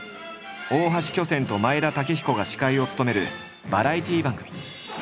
大橋巨泉と前田武彦が司会を務めるバラエティ番組。